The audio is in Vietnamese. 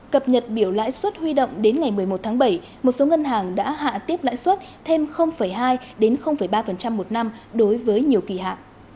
cập nhật biểu lãi suất huy động đến ngày một mươi một tháng bảy một số ngân hàng đã hạ tiếp lãi suất thêm hai ba một năm đối với nhiều kỳ hạn